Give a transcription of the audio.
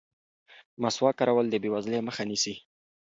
مسواک کارول د بې وزلۍ مخه نیسي.